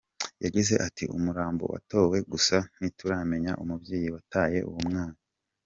Yagize ati “Umurambo watowe gusa ntituramenya umubyeyi wataye uwo mwana.